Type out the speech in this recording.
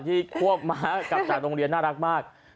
ควบม้ากลับจากโรงเรียนน่ารักมาก